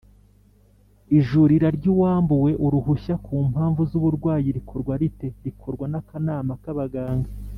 ijurira ry’uwambuwe Uruhushya kumpamvu z’ uburwayi rikorwa rite?rikorwa n’akanama kabaganga